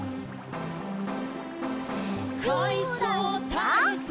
「かいそうたいそう」